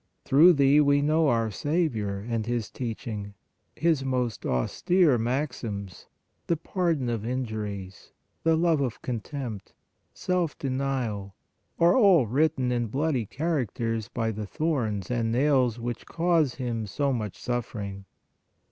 Through thee we know our Saviour and His teaching. His most austere maxims, the par don of injuries, the love of contempt, self denial, are all written in bloody characters by the thorns and nails which cause Him so much suffering.